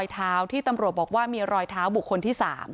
เท้าที่ตำรวจบอกว่ามีรอยเท้าบุคคลที่๓